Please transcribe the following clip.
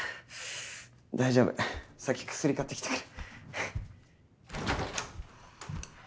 大丈夫さっき薬買ってきたから。